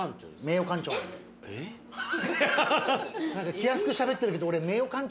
気安くしゃべってるけど俺名誉館長。